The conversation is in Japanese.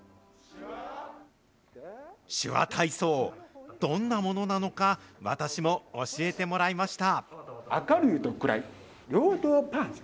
手話体操、どんなものなのか、私も教えてもらいました。